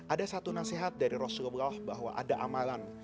ada satu nasihat dari rasulullah bahwa ada amalan